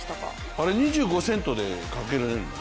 あれ２５セントでかけられるの？